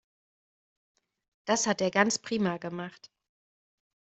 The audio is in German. Das hat er ganz prima gemacht.